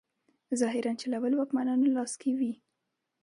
ظاهراً چلول واکمنانو لاس کې وي.